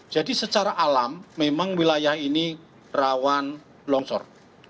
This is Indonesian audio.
jadi secara alam memang wilayah ini rawan longsor